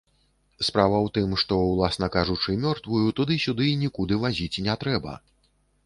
Справа ў тым, што, уласна кажучы, мёртвую туды-сюды нікуды вазіць не трэба.